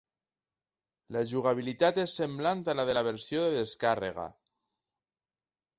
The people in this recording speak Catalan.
La jugabilitat és semblant a la de la versió de descàrrega.